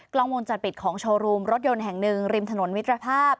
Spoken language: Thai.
กล้องวงจรปิดของโชว์รูมรถยนต์แห่งหนึ่งริมถนนมิตรภาพ